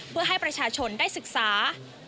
เพื่อให้ประชาชนได้ศึกษา